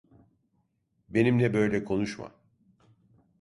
Benimle böyle konuşma!